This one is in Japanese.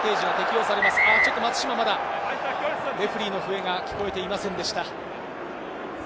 松島、まだレフェリーの笛が聞こえていませんでした。